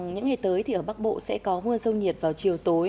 những ngày tới thì ở bắc bộ sẽ có mưa dâu nhiệt vào chiều tối